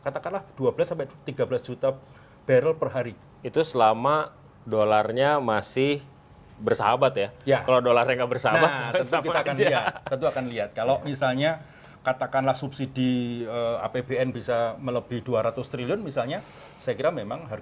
ternyata tahun dua ribu dua puluh